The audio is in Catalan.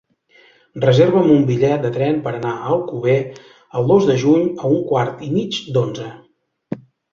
Reserva'm un bitllet de tren per anar a Alcover el dos de juny a un quart i mig d'onze.